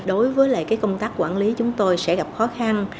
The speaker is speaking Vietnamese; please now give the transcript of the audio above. đối với công tác quản lý chúng tôi sẽ gặp khó khăn